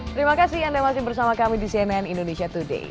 terima kasih anda masih bersama kami di cnn indonesia today